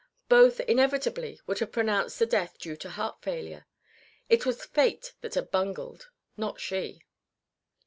Both inevitably would have pronounced the death due to heart failure. It was fate that had bungled, not she.